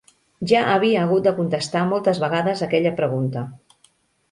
Ja havia hagut de contestar moltes vegades aquella pregunta.